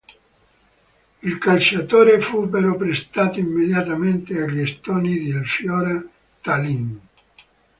Il calciatore fu però prestato immediatamente agli estoni del Flora Tallinn.